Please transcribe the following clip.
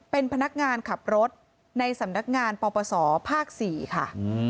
เป็นพนักงานขับรถในสำนักงานปปศภาค๔ค่ะ